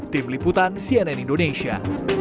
tim liputan cnn indonesia